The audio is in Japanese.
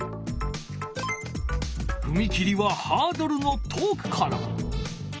ふみ切りはハードルの遠くから。